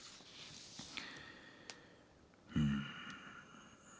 うん。